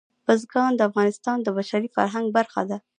بزګان د افغانستان د بشري فرهنګ برخه ده.